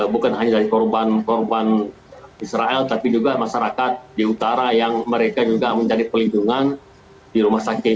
bukan hanya dari korban korban israel tapi juga masyarakat di utara yang mereka juga menjadi pelindungan di rumah sakit